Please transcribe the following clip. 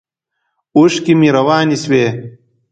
اوښکې مې روانې شوې.